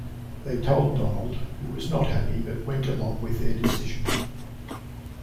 They told Donald, who was not happy, but went along with their decision.